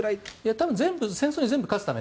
多分戦争に全部勝つため。